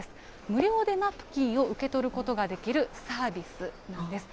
無料でナプキンを受け取ることができるサービスなんです。